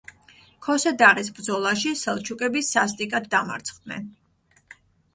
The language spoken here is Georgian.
ქოსე-დაღის ბრძოლაში სელჩუკები სასტიკად დამარცხდნენ.